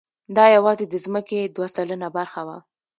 دا یواځې د ځمکې دوه سلنه برخه وه.